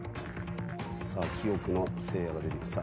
記憶のせいやが出てきました。